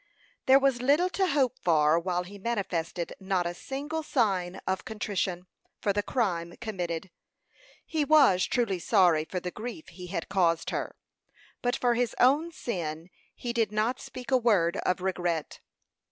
There was little to hope for while he manifested not a single sign of contrition for the crime committed. He was truly sorry for the grief he had caused her; but for his own sin he did not speak a word of regret.